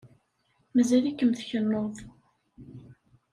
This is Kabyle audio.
Mazal-ikem tkennuḍ.